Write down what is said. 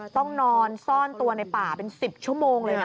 ต้องนอนซ่อนตัวในป่าเป็น๑๐ชั่วโมงเลยนะ